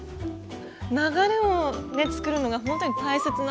流れをつくるのがほんとに大切なんですね。